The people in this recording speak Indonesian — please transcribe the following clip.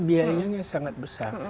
biayanya sangat besar